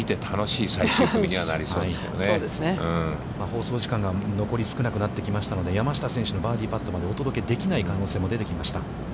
放送時間が残り少なくなってきましたので、山下選手のバーディーパットまでお届けできない可能性も出てきました。